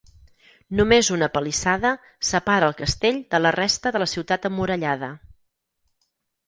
Només una palissada separa el castell de la resta de la ciutat emmurallada.